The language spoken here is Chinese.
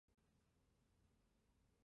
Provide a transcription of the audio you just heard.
莱夫扎茹是一位马普切酋长的儿子。